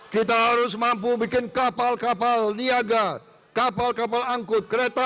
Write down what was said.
kita harus mampu bikin kapal kapal niaga kapal kapal angkut kereta